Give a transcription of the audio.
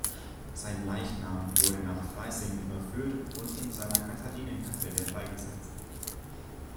Sein Leichnam wurde nach Freising überführt und in seiner Katharinenkapelle beigesetzt.